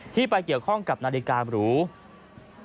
ที่ไปเกี่ยวข้องกับนาฬิการหรือ